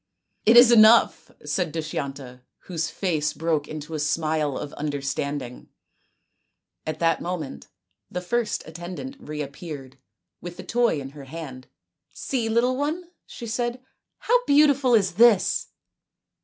" It is enough !" said Dushyanta, whose face broke into a smile of understanding. At that moment the first attendant reappeared SAKUNTALA AND DUSHYANTA 251 with the toy in her hand. " See, little one/' she said, " how beautiful is this